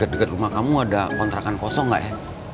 deket rumah kamu ada kontrakan kosong gak ya